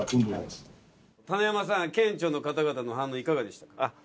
棚山さん県庁の方々の反応いかがでしたか？